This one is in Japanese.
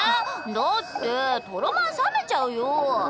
だってトロまん冷めちゃうよ。